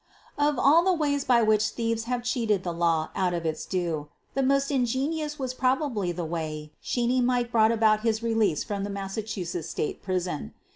Of all the ways by which thieves have cheated the law out of its due, the most ingenious was probably the way "Sheeney Mike" brought about his release from the Massachusetts State Prison.